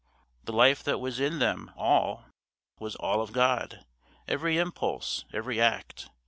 The life that was in them all was all of God, every impulse, every act.